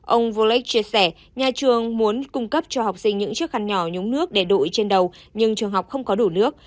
ông volec chia sẻ nhà trường muốn cung cấp cho học sinh những chiếc khăn nhỏ nhúng nước để đội trên đầu nhưng trường học không có đủ nước